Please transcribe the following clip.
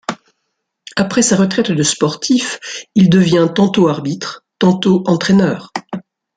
Après sa retraite de sportif, il devient tantôt arbitre, tantôt entraîneur.